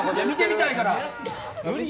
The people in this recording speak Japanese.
見てみたいから。